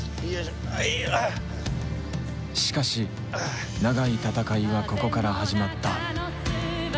しかし長い闘いはここから始まった。